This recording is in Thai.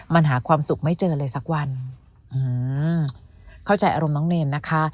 มันหาความสุขไม่เจอเลยสักวันอืมเข้าใจอารมณ์น้องเนรนะคะ